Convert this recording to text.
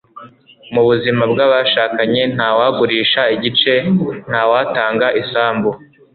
mu buzima bw'abashakanye nta wagurisha igice, ntawatanga isambu